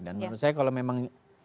dan menurut saya kalau memang